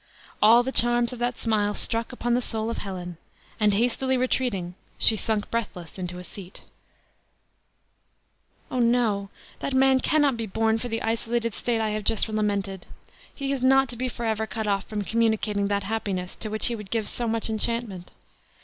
All the charms of that smile struck upon the soul of Helen; and, hastily retreating, she sunk breathless into a seat. "O, no! that man cannot be born for the isolated state I have just lamented. He is not to be forever cut off from communicating that happiness to which he would give so much enchantment!"